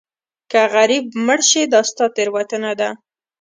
که غریب مړ شې دا ستا تېروتنه ده.